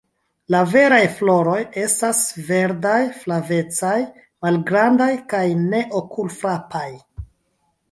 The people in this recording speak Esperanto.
La veraj floroj estas verdaj-flavecaj, malgrandaj kaj ne okulfrapaj.